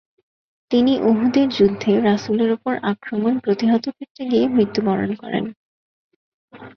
তিনি উহুদের যুদ্ধে রাসুলের উপর আক্রমণ প্রতিহত করতে গিয়ে মৃত্যুবরণ করেন।